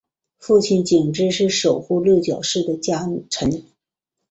父亲景之是守护六角氏的家臣。